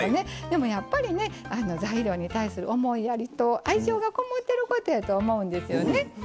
でもやっぱりね材料に対する思いやりと愛情がこもってることやと思うんですよね。